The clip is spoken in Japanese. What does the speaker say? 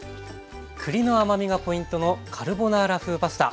栗の甘みがポイントのカルボナーラ風パスタ。